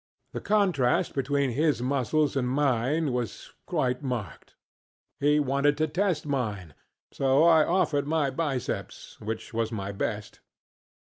The contrast between his muscles and mine was quite marked. He wanted to test mine, so I offered my bicepsŌĆöwhich was my best.